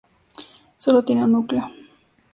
Solo tiene un núcleo.